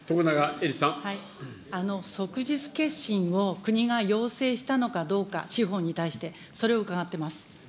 即日結審を国が要請したのかどうか、司法に対して、それを伺ってます。